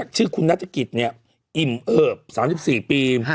ชื่อคุณนัชกิจอิ่มเอิบ๓๔ปี